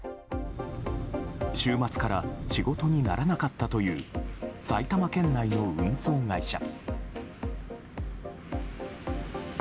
週末から仕事にならなかったという埼玉県内の運送会社。